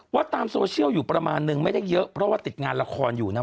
ว่าตามโซเชียลอยู่ประมาณนึงไม่ได้เยอะเพราะว่าติดงานละครอยู่นะ